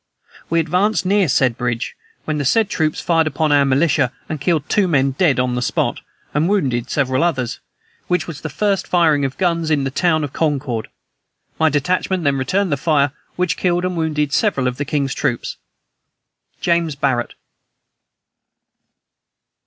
We advanced near said bridge, when the said troops fired upon our militia, and killed two men dead on the spot, and wounded several others, which was the first firing of guns in the town of Concord. My detachment then returned the fire, which killed and wounded several of the king's troops. "JAMES BARRET."